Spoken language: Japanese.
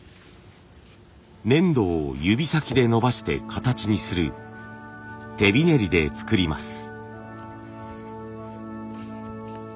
粘土を指先でのばして形にする「手びねり」で作ります。